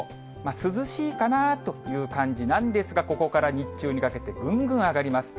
涼しいかなという感じなんですが、ここから日中にかけてぐんぐん上がります。